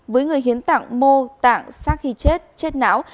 với người hiến tạng mô tạng sát khi chết chết não